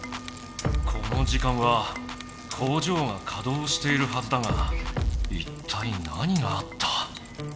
この時間は工場がかどうしているはずだがいったい何があった？